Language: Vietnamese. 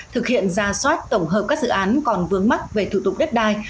thực hiện ra soát tổng hợp các dự án còn vướng mắc về thủ tục đất đai